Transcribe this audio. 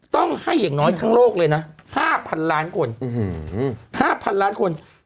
ต้องให้อย่างน้อยทั้งโลกเลยนะ๕๐๐ล้านคน๕๐๐๐ล้านคน